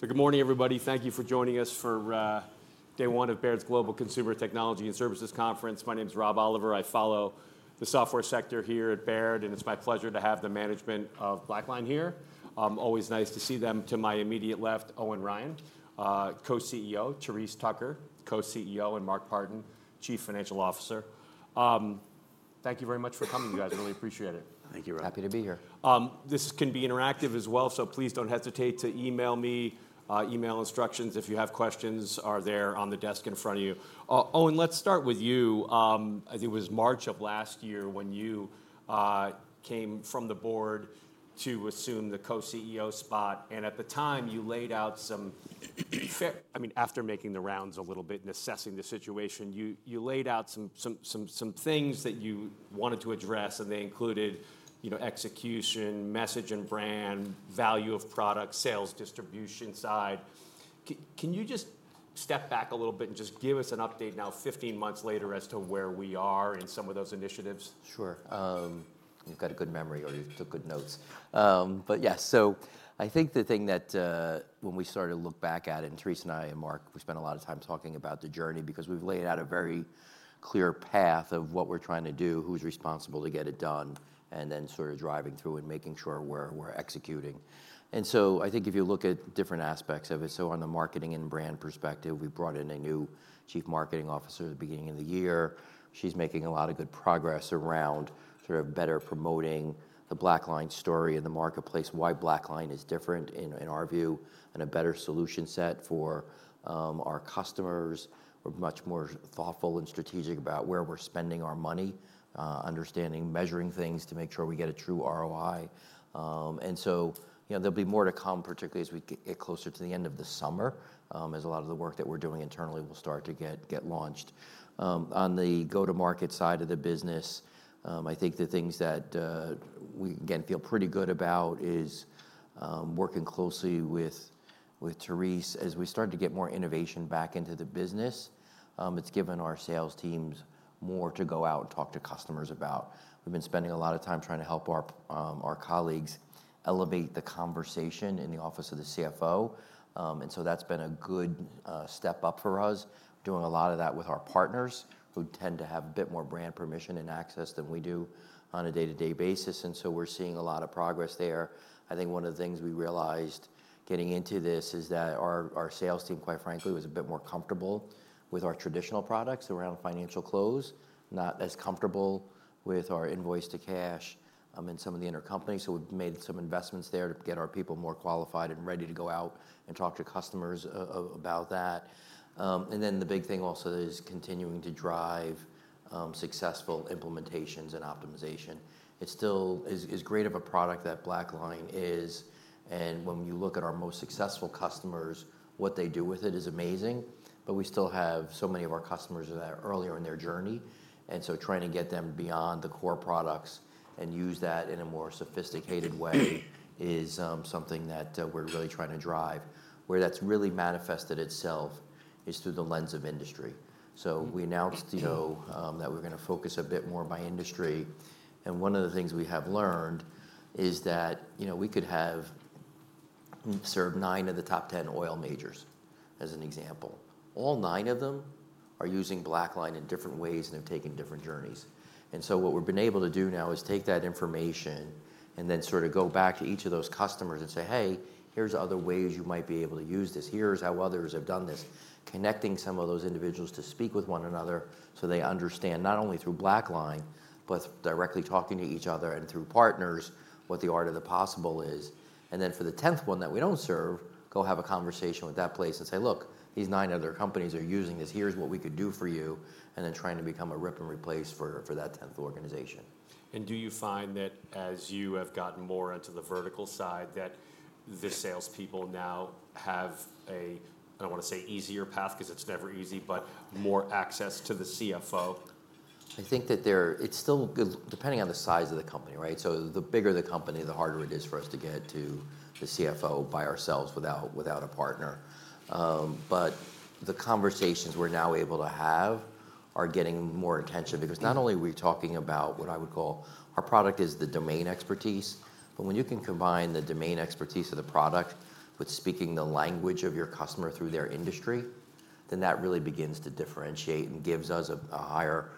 So good morning, everybody. Thank you for joining us for day one of Baird's Global Consumer Technology and Services Conference. My name's Rob Oliver. I follow the Software sector here at Baird, and it's my pleasure to have the management of BlackLine here. Always nice to see them. To my immediate left, Owen Ryan, Co-CEO, Therese Tucker, Co-CEO, and Mark Partin, Chief Financial Officer. Thank you very much for coming, you guys. Really appreciate it. Thank you, Rob. Happy to be here. This can be interactive as well, so please don't hesitate to email me. Email instructions, if you have questions, are there on the desk in front of you. Owen, let's start with you. I think it was March of last year when you came from the board to assume the Co-CEO spot, and at the time, you laid out some, I mean, after making the rounds a little bit and assessing the situation, you laid out some things that you wanted to address, and they included, you know, execution, message and brand, value of product, sales, distribution side. Can you just step back a little bit and just give us an update now, 15 months later, as to where we are in some of those initiatives? Sure. You've got a good memory, or you took good notes. But yeah, so I think the thing that, when we started to look back at it, and Therese and I, and Mark, we spent a lot of time talking about the journey because we've laid out a very clear path of what we're trying to do, who's responsible to get it done, and then sort of driving through and making sure we're executing. And so I think if you look at different aspects of it, so on the marketing and brand perspective, we brought in a new chief marketing officer at the beginning of the year. She's making a lot of good progress around sort of better promoting the BlackLine story in the marketplace, why BlackLine is different in our view, and a better solution set for our customers. We're much more thoughtful and strategic about where we're spending our money, understanding, measuring things to make sure we get a true ROI. And so, you know, there'll be more to come, particularly as we get closer to the end of the summer, as a lot of the work that we're doing internally will start to get launched. On the go-to-market side of the business, I think the things that we again feel pretty good about is working closely with Therese. As we start to get more innovation back into the business, it's given our sales teams more to go out and talk to customers about. We've been spending a lot of time trying to help our colleagues elevate the conversation in the Office of the CFO. And so that's been a good step up for us. Doing a lot of that with our partners, who tend to have a bit more brand permission and access than we do on a day-to-day basis, and so we're seeing a lot of progress there. I think one of the things we realized getting into this is that our sales team, quite frankly, was a bit more comfortable with our traditional products around financial close, not as comfortable with our invoice-to-cash, and some of the intercompany. So we've made some investments there to get our people more qualified and ready to go out and talk to customers about that. And then the big thing also is continuing to drive successful implementations and optimization. It still... As great of a product that BlackLine is, and when you look at our most successful customers, what they do with it is amazing. But we still have so many of our customers that are earlier in their journey, and so trying to get them beyond the core products and use that in a more sophisticated way is something that we're really trying to drive. Where that's really manifested itself is through the lens of industry. So we announced, you know, that we're gonna focus a bit more by industry, and one of the things we have learned is that, you know, we could have served nine of the top ten oil majors, as an example. All nine of them are using BlackLine in different ways, and they're taking different journeys. And so what we've been able to do now is take that information and then sort of go back to each of those customers and say, "Hey, here's other ways you might be able to use this. Here's how others have done this," connecting some of those individuals to speak with one another so they understand, not only through BlackLine, but directly talking to each other and through partners, what the art of the possible is. And then for the tenth one that we don't serve, go have a conversation with that place and say, "Look, these nine other companies are using this. Here's what we could do for you," and then trying to become a rip and replace for, for that tenth organization. Do you find that as you have gotten more into the vertical side, that the salespeople now have a, I don't want to say easier path, 'cause it's never easy, but more access to the CFO? I think that it's still depending on the size of the company, right? So the bigger the company, the harder it is for us to get to the CFO by ourselves without a partner. But the conversations we're now able to have are getting more attention. Because not only are we talking about what I would call... Our product is the domain expertise, but when you can combine the domain expertise of the product with speaking the language of your customer through their industry, then that really begins to differentiate and gives us a higher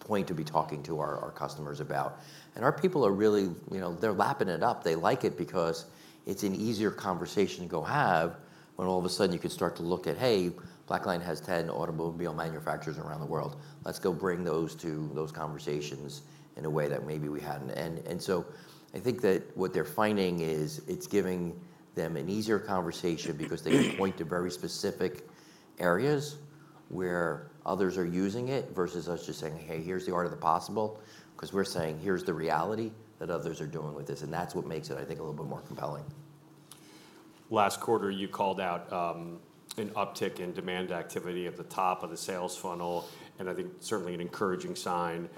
point to be talking to our customers about. And our people are really, you know, they're lapping it up. They like it because it's an easier conversation to go have when all of a sudden you can start to look at, hey, BlackLine has 10 automobile manufacturers around the world. Let's go bring those to those conversations in a way that maybe we hadn't. And, and so I think that what they're finding is it's giving them an easier conversation because they can point to very specific areas where others are using it, versus us just saying, "Hey, here's the art of the possible," 'cause we're saying: Here's the reality that others are doing with this. And that's what makes it, I think, a little bit more compelling. Last quarter, you called out an uptick in demand activity at the top of the sales funnel, and I think certainly an encouraging sign.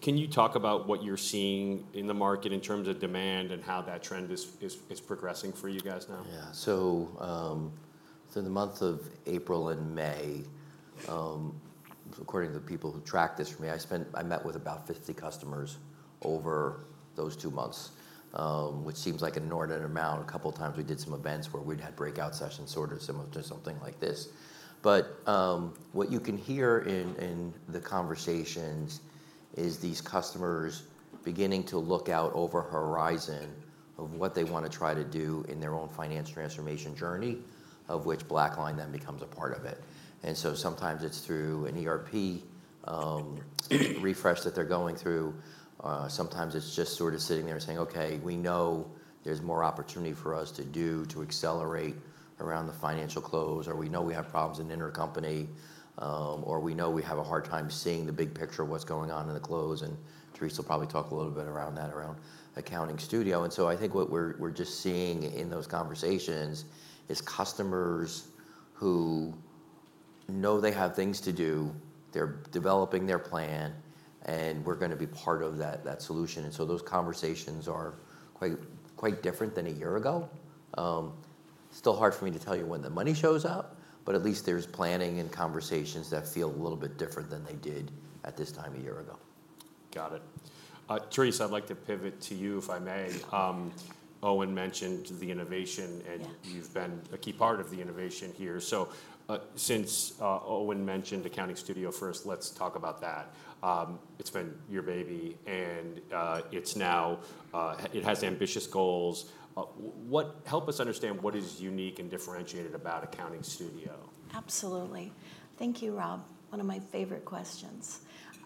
Can you talk about what you're seeing in the market in terms of demand and how that trend is progressing for you guys now? Yeah. So, in the month of April and May, according to the people who track this for me, I met with about 50 customers over those two months, which seems like an inordinate amount. A couple times we did some events where we'd had breakout sessions, sort of similar to something like this. But, what you can hear in, in the conversations is these customers beginning to look out over a horizon of what they want to try to do in their own finance transformation journey, of which BlackLine then becomes a part of it. And so sometimes it's through an ERP refresh that they're going through. Sometimes it's just sort of sitting there and saying: "Okay, we know there's more opportunity for us to do to accelerate around the financial close," or, "We know we have problems in intercompany," or, "We know we have a hard time seeing the big picture of what's going on in the close." And Therese will probably talk a little bit around that, around Accounting Studio. And so I think what we're, we're just seeing in those conversations is customers who know they have things to do, they're developing their plan, and we're gonna be part of that, that solution, and so those conversations are quite, quite different than a year ago. Still hard for me to tell you when the money shows up, but at least there's planning and conversations that feel a little bit different than they did at this time a year ago. Got it. Therese, I'd like to pivot to you, if I may. Owen mentioned the innovation- Yeah. And you've been a key part of the innovation here. So, since Owen mentioned Accounting Studio first, let's talk about that. It's been your baby, and it's now it has ambitious goals. Help us understand what is unique and differentiated about Accounting Studio. Absolutely. Thank you, Rob. One of my favorite questions.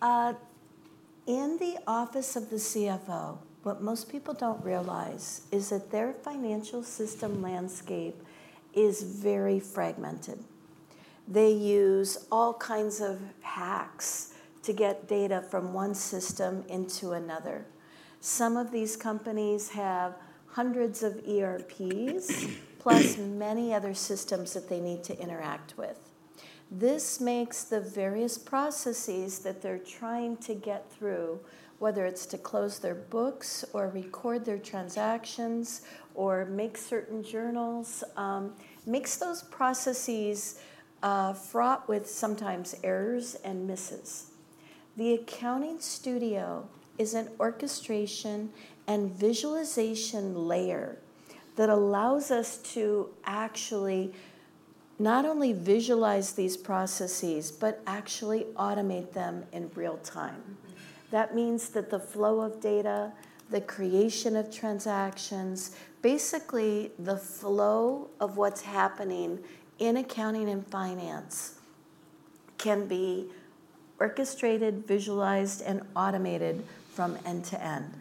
In the Office of the CFO, what most people don't realize is that their financial system landscape is very fragmented. They use all kinds of hacks to get data from one system into another. Some of these companies have 100s of ERPs, plus many other systems that they need to interact with. This makes the various processes that they're trying to get through, whether it's to close their books or record their transactions or make certain journals, makes those processes fraught with sometimes errors and misses. The Accounting Studio is an orchestration and visualization layer that allows us to actually not only visualize these processes, but actually automate them in real time. That means that the flow of data, the creation of transactions, basically the flow of what's happening in accounting and finance, can be orchestrated, visualized, and automated from end to end,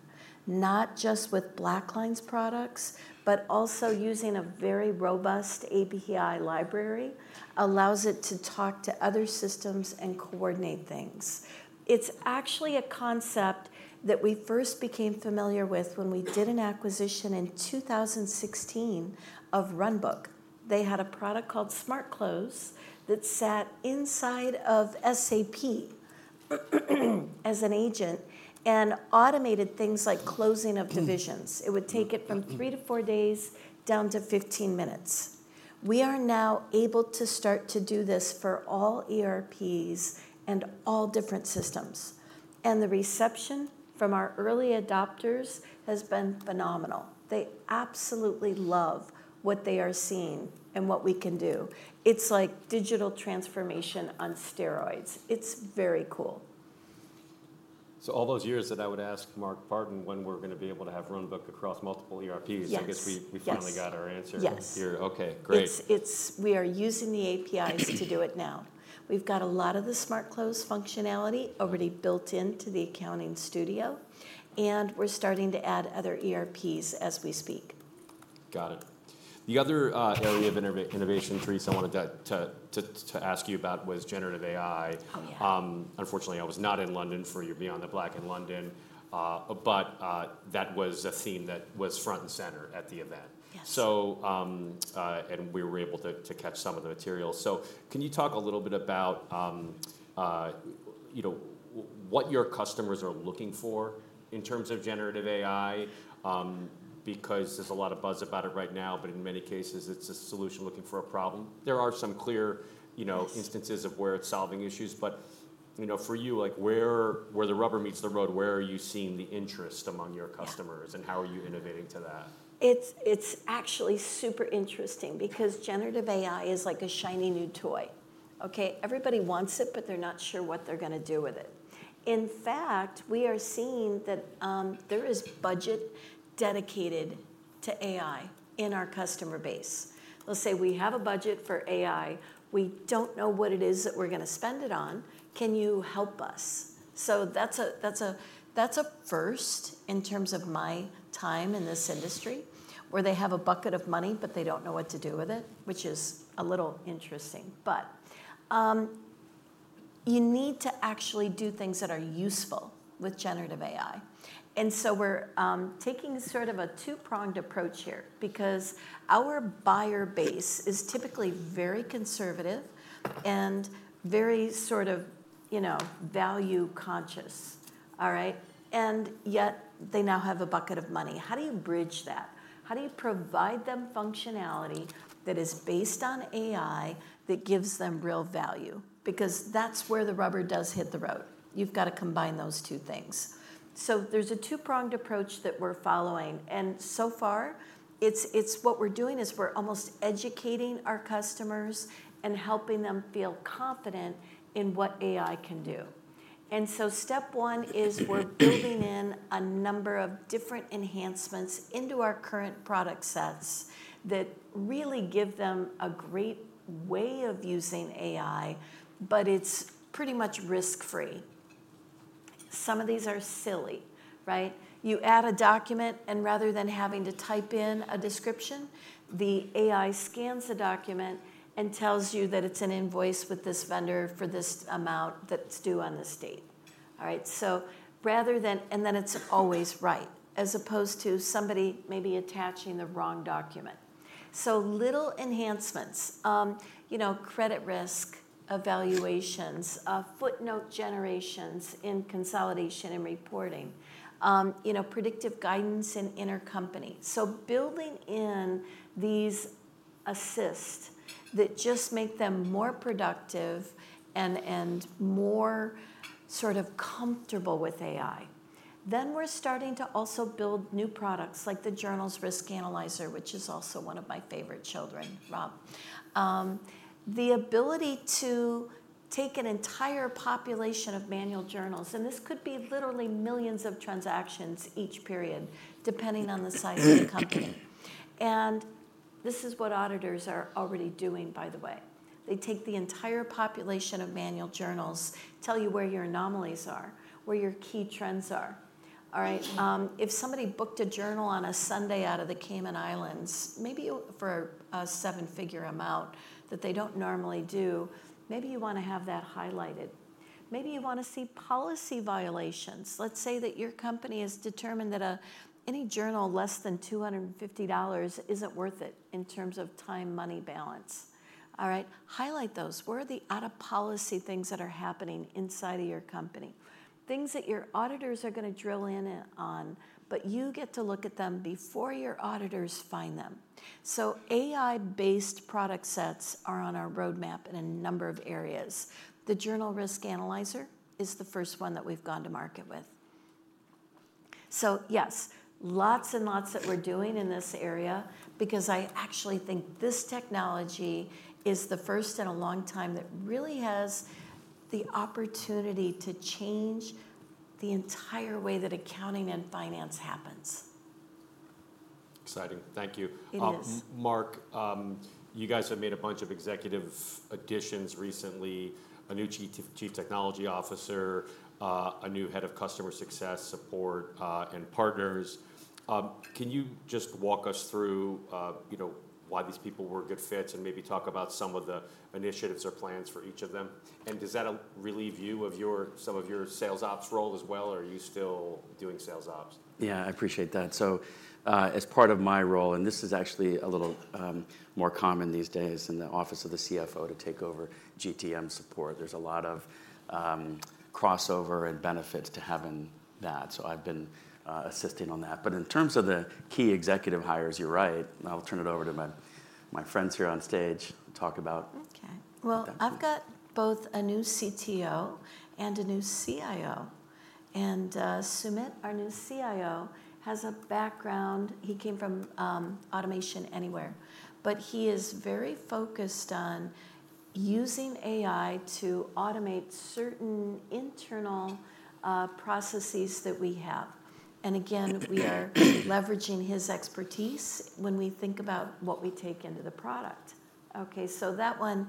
not just with BlackLine's products, but also using a very robust API library that allows it to talk to other systems and coordinate things. It's actually a concept that we first became familiar with when we did an acquisition in 2016 of Runbook. They had a product called Smart Close that sat inside of SAP as an agent and automated things like closing of divisions. It would take it from three to four days down to 15 minutes. We are now able to start to do this for all ERPs and all different systems, and the reception from our early adopters has been phenomenal. They absolutely love what they are seeing and what we can do. It's like digital transformation on steroids. It's very cool. So all those years that I would ask Mark Partin when we're gonna be able to have Runbook across multiple ERPs- Yes. I guess we... Yes... finally got our answer... Yes Here. Okay, great. We are using the APIs to do it now. We've got a lot of the Smart Close functionality already built into the Accounting Studio, and we're starting to add other ERPs as we speak. Got it. The other area of innovation, Therese, I wanted to ask you about was Generative AI. Oh, yeah. Unfortunately, I was not in London for your Beyond the Black in London, but that was a theme that was front and center at the event. Yes. So, and we were able to catch some of the material. So can you talk a little bit about, you know, what your customers are looking for in terms of Generative AI? Because there's a lot of buzz about it right now, but in many cases, it's a solution looking for a problem. There are some clear, you know- Yes... instances of where it's solving issues, but, you know, for you, like, where, where the rubber meets the road, where are you seeing the interest among your customers- Yeah... and how are you innovating to that? It's actually super interesting because generative AI is like a shiny new toy, okay? Everybody wants it, but they're not sure what they're gonna do with it. In fact, we are seeing that there is budget dedicated to AI in our customer base. They'll say: "We have a budget for AI. We don't know what it is that we're gonna spend it on. Can you help us?" So that's a first in terms of my time in this industry, where they have a bucket of money, but they don't know what to do with it, which is a little interesting. But you need to actually do things that are useful with generative AI. And so we're taking sort of a two-pronged approach here because our buyer base is typically very conservative and very sort of, you know, value conscious.... All right? And yet they now have a bucket of money. How do you bridge that? How do you provide them functionality that is based on AI, that gives them real value? Because that's where the rubber does hit the road. You've got to combine those two things. So there's a two-pronged approach that we're following, and so far, it's what we're doing is we're almost educating our customers and helping them feel confident in what AI can do. And so step one is we're building in a number of different enhancements into our current product sets that really give them a great way of using AI, but it's pretty much risk-free. Some of these are silly, right? You add a document, and rather than having to type in a description, the AI scans the document and tells you that it's an invoice with this vendor for this amount that's due on this date. All right? And then it's always right, as opposed to somebody maybe attaching the wrong document. So little enhancements, you know, credit risk evaluations, footnote generations in consolidation and reporting, you know, predictive guidance in intercompany. So building in these assists that just make them more productive and more sort of comfortable with AI. Then we're starting to also build new products, like the Journals Risk Analyzer, which is also one of my favorite children, Rob. The ability to take an entire population of manual journals, and this could be literally millions of transactions each period, depending on the size of the company. This is what auditors are already doing, by the way. They take the entire population of manual journals, tell you where your anomalies are, where your key trends are. All right, if somebody booked a journal on a Sunday out of the Cayman Islands, maybe for a seven-figure amount that they don't normally do, maybe you want to have that highlighted. Maybe you want to see policy violations. Let's say that your company has determined that any journal less than $250 isn't worth it in terms of time, money balance. All right? Highlight those. Where are the out-of-policy things that are happening inside of your company? Things that your auditors are going to drill in on, but you get to look at them before your auditors find them. So AI-based product sets are on our roadmap in a number of areas. The Journals Risk Analyzer is the first one that we've gone to market with. So yes, lots and lots that we're doing in this area because I actually think this technology is the first in a long time that really has the opportunity to change the entire way that accounting and finance happens. Exciting. Thank you. It is. Mark, you guys have made a bunch of executive additions recently, a new chief technology officer, a new head of customer success support, and partners. Can you just walk us through, you know, why these people were good fits and maybe talk about some of the initiatives or plans for each of them? And does that relieve you of your, some of your sales ops role as well, or are you still doing sales ops? Yeah, I appreciate that. So, as part of my role, and this is actually a little more common these days in the office of the CFO to take over GTM support, there's a lot of crossover and benefit to having that. So I've been assisting on that. But in terms of the key executive hires, you're right. I'll turn it over to my, my friends here on stage to talk about- Okay. -them. Well, I've got both a new CTO and a new CIO, and, Sumit, our new CIO, has a background... He came from, Automation Anywhere, but he is very focused on using AI to automate certain internal, processes that we have. And again, we are leveraging his expertise when we think about what we take into the product. Okay, so that one,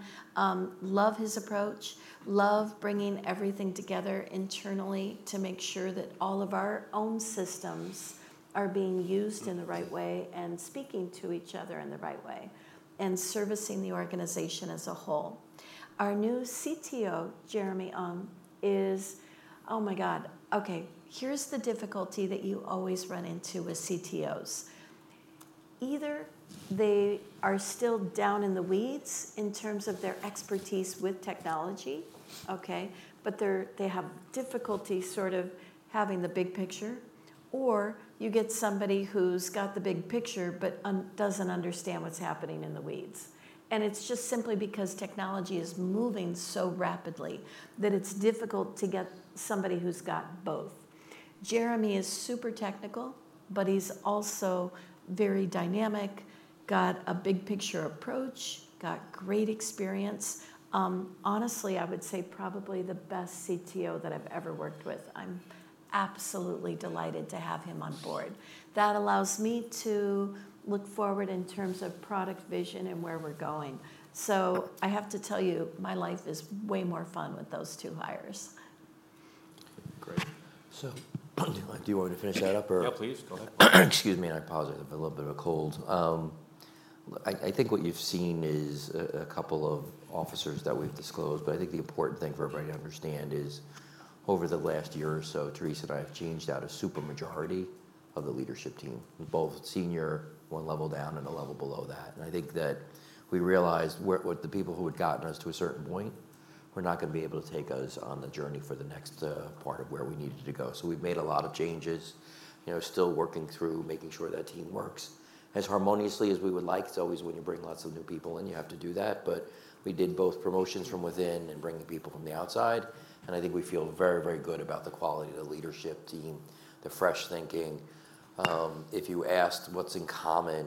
love his approach, love bringing everything together internally to make sure that all of our own systems are being used in the right way and speaking to each other in the right way and servicing the organization as a whole. Our new CTO, Jeremy Ung, is... Oh, my God. Okay, here's the difficulty that you always run into with CTOs. Either they are still down in the weeds in terms of their expertise with technology, okay, but they have difficulty sort of having the big picture, or you get somebody who's got the big picture but doesn't understand what's happening in the weeds. And it's just simply because technology is moving so rapidly that it's difficult to get somebody who's got both. Jeremy is super technical, but he's also very dynamic, got a big-picture approach, got great experience. Honestly, I would say probably the best CTO that I've ever worked with. I'm absolutely delighted to have him on board. That allows me to look forward in terms of product vision and where we're going. So I have to tell you, my life is way more fun with those two hires. Great. Do you want me to finish that up or? Yeah, please, go ahead. Excuse me, I apologize. I have a little bit of a cold. I think what you've seen is a couple of officers that we've disclosed, but I think the important thing for everybody to understand is, over the last year or so, Therese and I have changed out a super majority-... of the leadership team, both senior, one level down, and a level below that. I think that we realized where, what the people who had gotten us to a certain point were not gonna be able to take us on the journey for the next part of where we needed to go. So we've made a lot of changes. You know, still working through making sure that team works as harmoniously as we would like. It's always when you bring lots of new people in, you have to do that, but we did both promotions from within and bringing people from the outside, and I think we feel very, very good about the quality of the leadership team, the fresh thinking. If you asked what's in common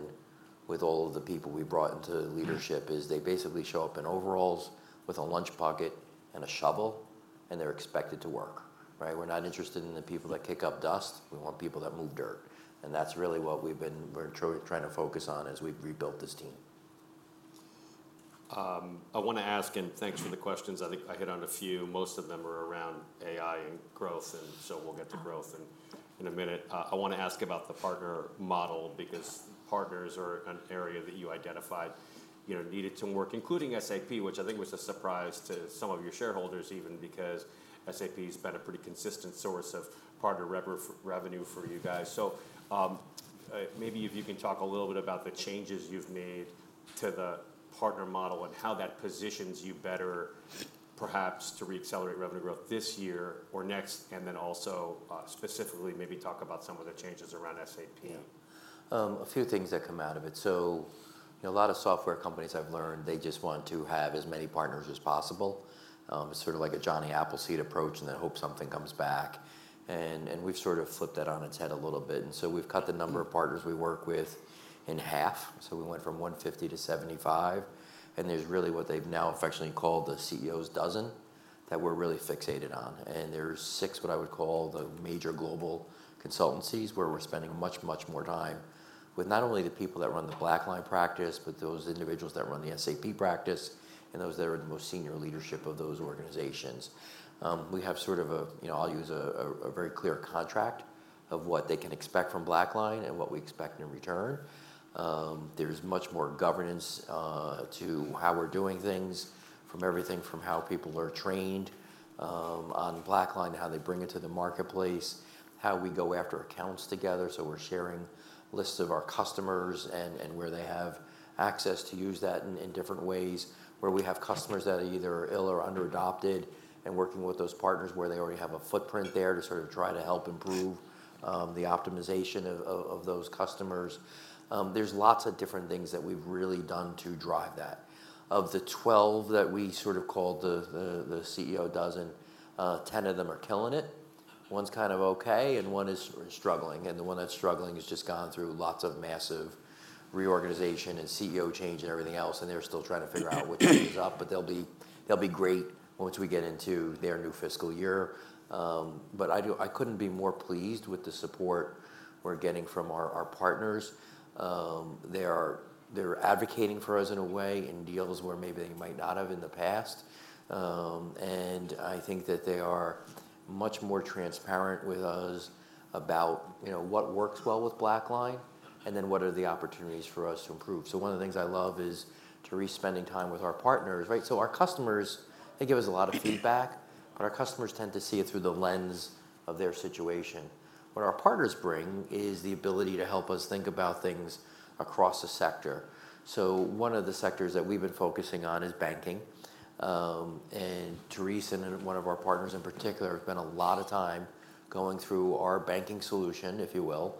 with all of the people we brought into leadership, is they basically show up in overalls with a lunch bucket and a shovel, and they're expected to work, right? We're not interested in the people that kick up dust. We want people that move dirt, and that's really what we're trying to focus on as we've rebuilt this team. I want to ask, and thanks for the questions. I think I hit on a few. Most of them are around AI and growth, and so we'll get to growth in a minute. I want to ask about the partner model because partners are an area that you identified, you know, needed some work, including SAP, which I think was a surprise to some of your shareholders, even, because SAP's been a pretty consistent source of partner revenue for you guys. Maybe if you can talk a little bit about the changes you've made to the partner model and how that positions you better, perhaps to reaccelerate revenue growth this year or next, and then also, specifically maybe talk about some of the changes around SAP. Yeah. A few things that come out of it. So, you know, a lot of software companies I've learned, they just want to have as many partners as possible, sort of like a Johnny Appleseed approach, and then hope something comes back, and, and we've sort of flipped that on its head a little bit. And so we've cut the number of partners we work with in half, so we went from 150-75, and there's really what they've now affectionately called the CEO's dozen that we're really fixated on. And there's six, what I would call, the major global consultancies, where we're spending much, much more time with not only the people that run the BlackLine practice, but those individuals that run the SAP practice and those that are the most senior leadership of those organizations. We have sort of a, you know, I'll use a very clear contract of what they can expect from BlackLine and what we expect in return. There's much more governance to how we're doing things, from everything from how people are trained on BlackLine, to how they bring it to the marketplace, how we go after accounts together. So we're sharing lists of our customers and where they have access to use that in different ways, where we have customers that are either ill or under-adopted, and working with those partners where they already have a footprint there to sort of try to help improve the optimization of those customers. There's lots of different things that we've really done to drive that. Of the 12 that we sort of called the CEO dozen, 10 of them are killing it, one's kind of okay, and one is struggling. And the one that's struggling has just gone through lots of massive reorganization and CEO change and everything else, and they're still trying to figure out which way is up, but they'll be great once we get into their new fiscal year. But I couldn't be more pleased with the support we're getting from our partners. They're advocating for us in a way in deals where maybe they might not have in the past. And I think that they are much more transparent with us about, you know, what works well with BlackLine, and then what are the opportunities for us to improve? So one of the things I love is to be spending time with our partners, right? Our customers, they give us a lot of feedback, but our customers tend to see it through the lens of their situation. What our partners bring is the ability to help us think about things across a sector. So one of the sectors that we've been focusing on is banking. And Therese and one of our partners, in particular, have spent a lot of time going through our banking solution, if you will.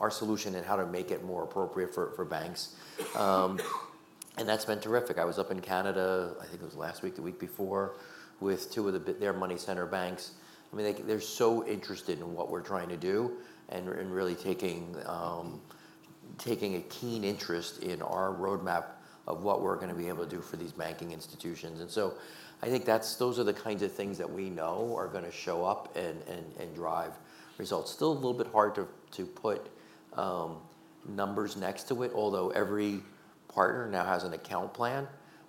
Our solution and how to make it more appropriate for banks. And that's been terrific. I was up in Canada, I think it was last week, the week before, with two of their money center banks. I mean, they're so interested in what we're trying to do and really taking a keen interest in our roadmap of what we're gonna be able to do for these banking institutions. And so I think that's those are the kinds of things that we know are gonna show up and drive results. Still a little bit hard to put numbers next to it, although every partner now has an account plan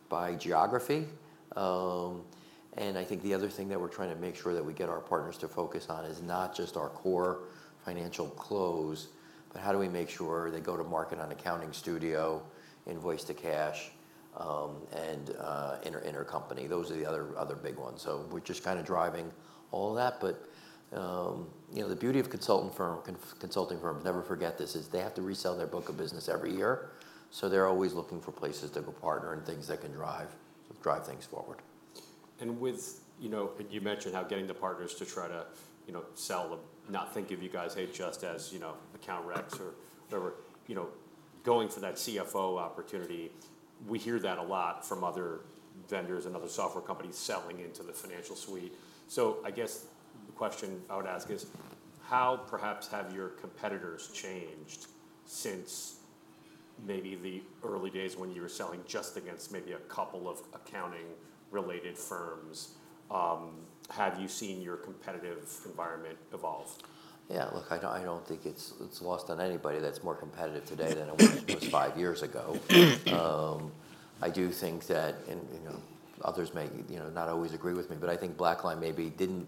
by geography. And I think the other thing that we're trying to make sure that we get our partners to focus on is not just our core Financial Close, but how do we make sure they go to market on Accounting Studio, Invoice-to-Cash, and Intercompany. Those are the other big ones. So we're just kind of driving all that. But, you know, the beauty of consulting firms, never forget this, is they have to resell their book of business every year, so they're always looking for places to go partner and things that can drive things forward. With, you know, you mentioned how getting the partners to try to, you know, sell the... not think of you guys, hey, just as, you know, account reps or whatever. You know, going for that CFO opportunity, we hear that a lot from other vendors and other software companies selling into the financial suite. So I guess the question I would ask is, how perhaps have your competitors changed since maybe the early days when you were selling just against maybe a couple of accounting-related firms? Have you seen your competitive environment evolve? Yeah, look, I don't think it's lost on anybody that's more competitive today than it was five years ago. I do think that, and, you know, others may, you know, not always agree with me, but I think BlackLine maybe didn't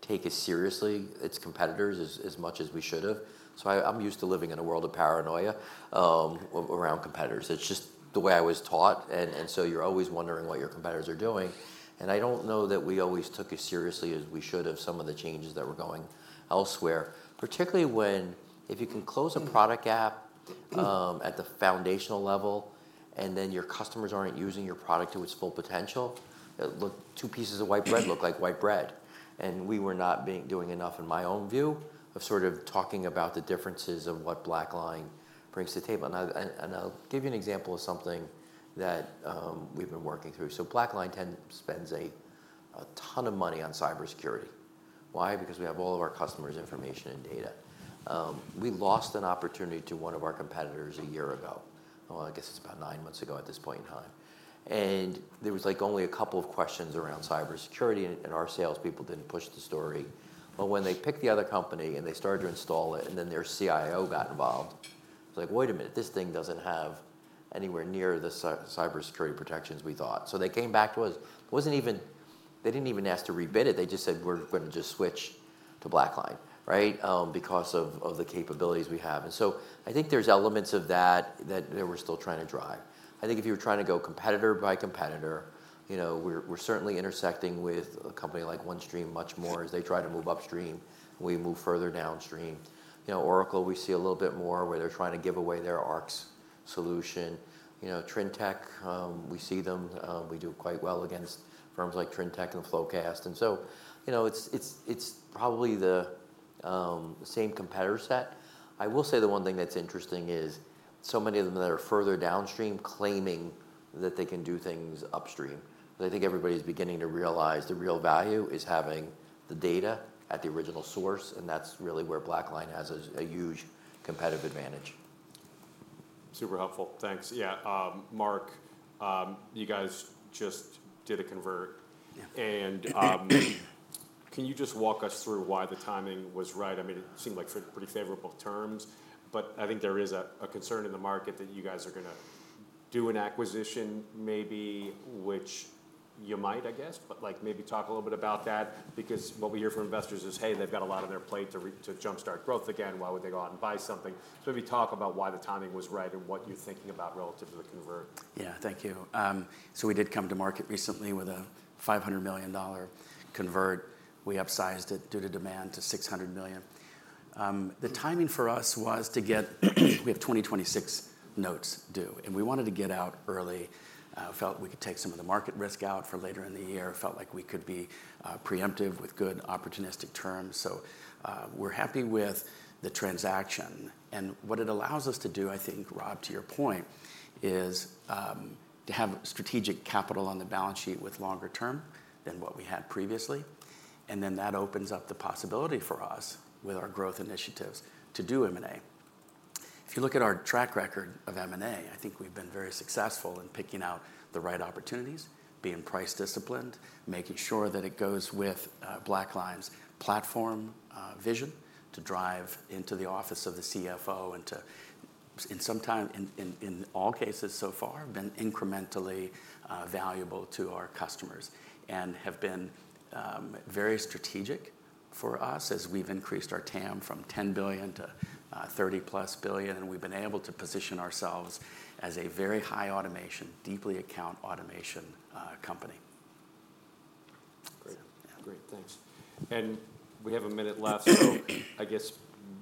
take as seriously its competitors as much as we should have. So I, I'm used to living in a world of paranoia around competitors. It's just the way I was taught, and so you're always wondering what your competitors are doing. And I don't know that we always took as seriously as we should have some of the changes that were going elsewhere. Particularly when, if you can close a product gap at the foundational level, and then your customers aren't using your product to its full potential, look, two pieces of white bread look like white bread. And we were not doing enough, in my own view, of sort of talking about the differences of what BlackLine brings to the table. And I’ll give you an example of something that we’ve been working through. So BlackLine spends a ton of money on cybersecurity. Why? Because we have all of our customers’ information and data. We lost an opportunity to one of our competitors a year ago. Well, I guess it’s about nine months ago at this point in time. And there was, like, only a couple of questions around cybersecurity, and our salespeople didn’t push the story. But when they picked the other company, and they started to install it, and then their CIO got involved, it was like: "Wait a minute, this thing doesn't have anywhere near the cybersecurity protections we thought." So they came back to us. It wasn't even... They didn't even ask to rebid it, they just said: "We're gonna just switch to BlackLine," right? Because of the capabilities we have. And so I think there's elements of that that we're still trying to drive. I think if you were trying to go competitor by competitor, you know, we're certainly intersecting with a company like OneStream much more as they try to move upstream, we move further downstream. You know, Oracle, we see a little bit more where they're trying to give away their ARCS solution. You know, Trintech, we see them, we do quite well against firms like Trintech and FloQast. And so, you know, it's, it's, it's probably the same competitor set. I will say the one thing that's interesting is, so many of them that are further downstream claiming that they can do things upstream. But I think everybody's beginning to realize the real value is having the data at the original source, and that's really where BlackLine has a huge competitive advantage. Super helpful. Thanks. Yeah, Mark, you guys just did a convert. Yeah. Can you just walk us through why the timing was right? I mean, it seemed like pretty favorable terms, but I think there is a concern in the market that you guys are gonna do an acquisition, maybe, which you might, I guess, but, like, maybe talk a little bit about that. Because what we hear from investors is, "Hey, they've got a lot on their plate to jumpstart growth again. Why would they go out and buy something?" So if you talk about why the timing was right and what you're thinking about relative to the convert. Yeah. Thank you. So we did come to market recently with a $500 million convertible. We upsized it due to demand, to $600 million. The timing for us was, we have 2026 notes due, and we wanted to get out early, felt we could take some of the market risk out for later in the year. Felt like we could be preemptive with good opportunistic terms. So, we're happy with the transaction. And what it allows us to do, I think, Rob, to your point, is to have strategic capital on the balance sheet with longer term than what we had previously, and then that opens up the possibility for us, with our growth initiatives, to do M&A. If you look at our track record of M&A, I think we've been very successful in picking out the right opportunities, being price disciplined, making sure that it goes with BlackLine's platform vision, to drive into the office of the CFO and to and in all cases so far, been incrementally valuable to our customers, and have been very strategic for us as we've increased our TAM from $10 billion-$30+ billion. And we've been able to position ourselves as a very high automation, deeply account automation company. Great. Yeah. Great, thanks. And we have a minute left—so I guess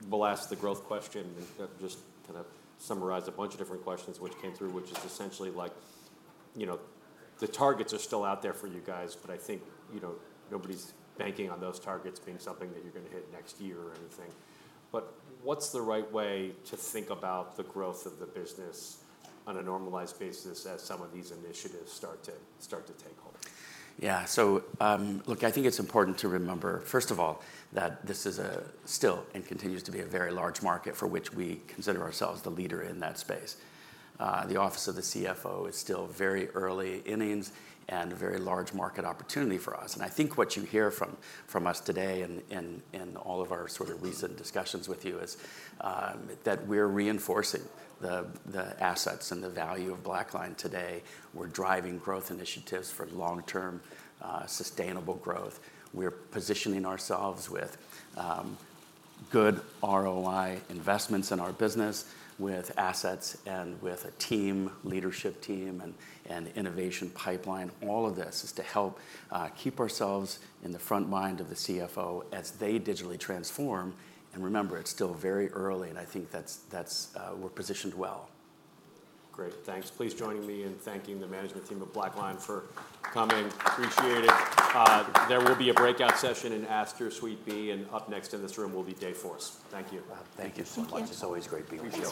we'll ask the growth question. And just kind of summarize a bunch of different questions which came through, which is essentially like, you know, the targets are still out there for you guys, but I think, you know, nobody's banking on those targets being something that you're going to hit next year or anything. But what's the right way to think about the growth of the business on a normalized basis as some of these initiatives start to, start to take hold? Yeah. So, look, I think it's important to remember, first of all, that this is still, and continues to be, a very large market for which we consider ourselves the leader in that space. The Office of the CFO is still very early innings and a very large market opportunity for us. And I think what you hear from us today, in all of our sort of recent discussions with you is that we're reinforcing the assets and the value of BlackLine today. We're driving growth initiatives for long-term sustainable growth. We're positioning ourselves with good ROI investments in our business, with assets, and with a team, leadership team, and innovation pipeline. All of this is to help keep ourselves in the front mind of the CFO as they digitally transform. Remember, it's still very early, and I think that's, we're positioned well. Great, thanks. Please join me in thanking the management team of BlackLine for coming. Appreciate it. There will be a breakout session in Astor Suite B, and up next in this room will be Dayforce. Thank you. Well, thank you so much. Thank you. It's always great being with you.